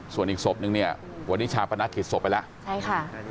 ส่วนอีกศพหนึ่งเนี่ยวันนี้ชาปนักผิดศพไปแล้ว